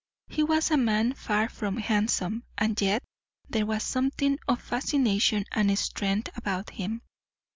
He was a man far from handsome, and yet there was something of fascination and strength about him.